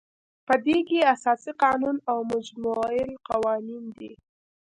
په دې کې اساسي قانون او مجمع القوانین دي.